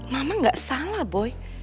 mama enggak salah boy